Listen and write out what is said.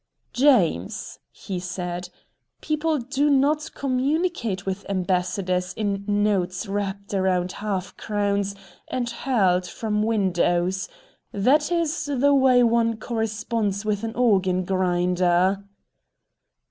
"James," he said, "people do not communicate with ambassadors in notes wrapped around half crowns and hurled from windows. That is the way one corresponds with an organ grinder."